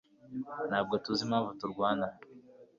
Ntabwo tuzi n'impamvu turwana.